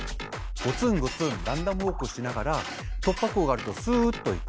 ゴツンゴツンランダムウォークしながら突破口があるとすっと行く。